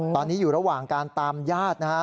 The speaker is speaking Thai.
ตอนนี้อยู่ระหว่างการตามญาตินะฮะ